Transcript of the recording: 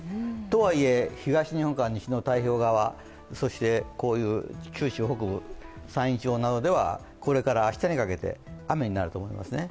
とはいえ、東日本から西の太平洋側そして九州北部、山陰地方などではこれから明日にかけて雨になると思いますね。